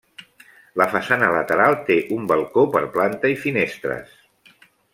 La façana lateral té un balcó per planta i finestres.